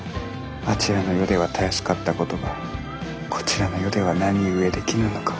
あちらの世ではたやすかったことがこちらの世では何故できぬのか。